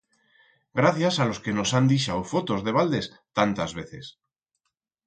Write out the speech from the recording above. Gracias a los que nos han dixau fotos de baldes tantas veces.